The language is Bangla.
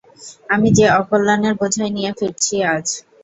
আমি যে অকল্যাণের বোঝাই নিয়ে ফিরছি আজ।